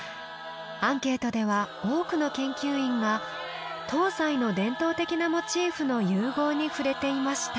アンケートでは多くの研究員が東西の伝統的なモチーフの融合に触れていました。